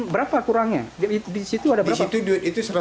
berapa kurangnya di situ ada berapa tujuan